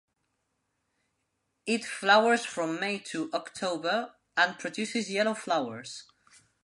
It flowers from May to October and produces yellow flowers.